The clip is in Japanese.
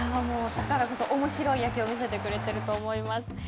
だからこそ面白い野球を見せてくれてるんだと思います。